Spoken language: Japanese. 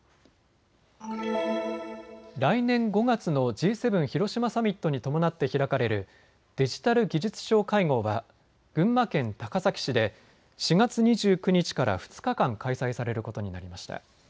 来年５月のＧ７広島サミットに伴って開かれるデジタル・技術相会合は群馬県高崎市で４月２９日から２日間開催されることになりました。